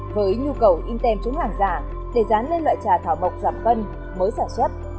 với nhu cầu tem chống hàng giả để dán lên loại trà thảo bọc giảm phân mới sản xuất